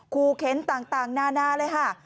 คูเข็นต่างหน้าเลยค่ะ